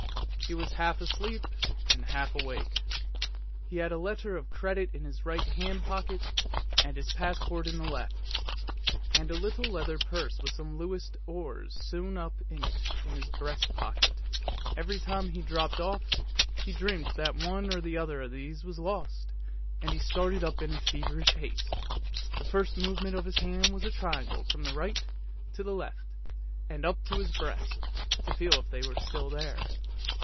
He was half asleep and half awake. He had a letter of credit in his right hand pocket, and his passport in the left, and a little leather purse with some Louis d'Ors sewn up in it in his breast pocket. Every time he dropped off, he dreamt that one or other of these was lost, and he started up in feverish haste ; the first movement of his hand was a triangle from right to left, and up to his breast, to feel if they were still there.